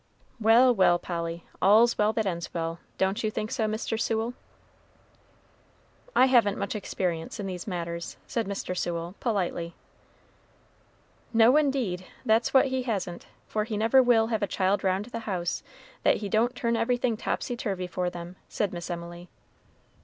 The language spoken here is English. "Well, well, Polly, all's well that ends well; don't you think so, Mr. Sewell?" "I haven't much experience in these matters," said Mr. Sewell, politely. "No, indeed, that's what he hasn't, for he never will have a child round the house that he don't turn everything topsy turvy for them," said Miss Emily.